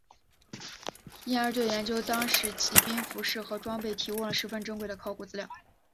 因而对研究当时骑兵服饰和装备提供了十分珍贵的考古资料。